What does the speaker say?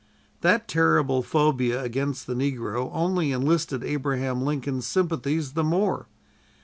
That terrible phobia against the negro only enlisted Abraham Lincoln's sympathies the more.